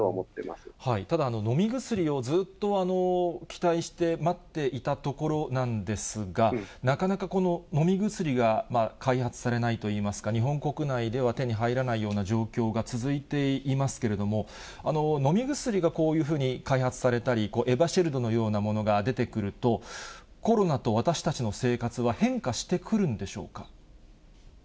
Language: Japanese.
まただ、飲み薬をずっと期待して待っていたところなんですが、なかなかこの飲み薬が開発されないといいますか、日本国内では手に入らないような状況が続いていますけれども、飲み薬がこういうふうに開発されたり、エバシェルドのようなものが出てくると、コロナと私たちの生活は変化してくるんでしょうか。